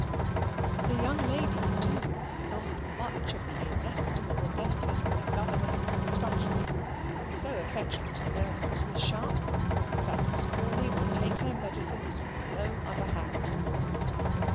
The young ladies, too, lost much of the inestimable benefit of their governess's instruction, So affectionate a nurse was Miss Sharp, that Miss Crawley would take her medicines from no other hand.